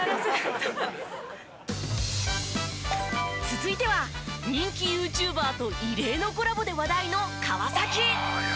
続いては人気ＹｏｕＴｕｂｅｒと異例のコラボで話題の川崎。